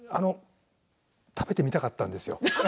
食べてみたかったんですよ